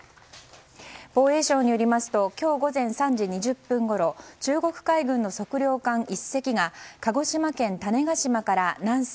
防衛省によりますと今日午前３時２０分ごろ中国海軍の測量艦１隻が鹿児島県種子島から南西